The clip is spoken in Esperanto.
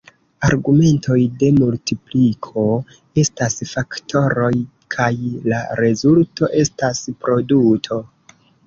Argumentoj de multipliko estas faktoroj kaj la rezulto estas produto.